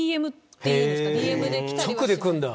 直で来るんだ。